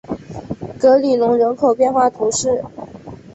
格里隆人口变化图示